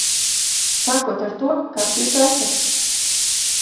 Sākot ar to, kas jūs esat.